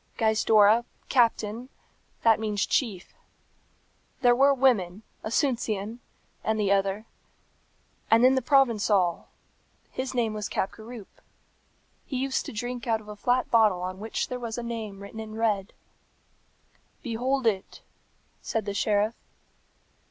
Gaizdorra, Captain, that means chief. There were women, Asuncion, and the other. And then the Provençal. His name was Capgaroupe. He used to drink out of a flat bottle on which there was a name written in red." "Behold it," said the sheriff.